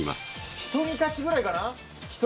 ひと煮立ちぐらいかな。